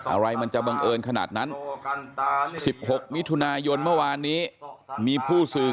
อะไรมันจะบังเอิญขนาดนั้น๑๖มิถุนายนเมื่อวานนี้มีผู้สื่อ